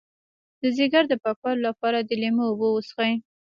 د ځیګر د پاکوالي لپاره د لیمو اوبه وڅښئ